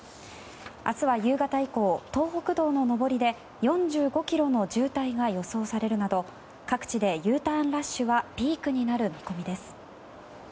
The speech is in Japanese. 明日は夕方以降東北道の上りで４５ｋｍの渋滞が予想されるなど各地でＵターンラッシュがピークになる見込みです。